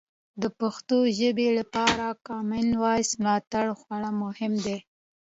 د پښتو ژبې لپاره د کامن وایس ملاتړ خورا مهم دی.